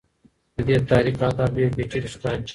د دې تحریک اهداف ډېر پېچلي ښکاري.